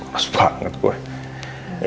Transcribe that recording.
mas banget gue